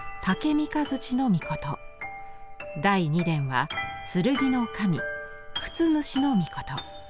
第二殿は剣の神経津主命。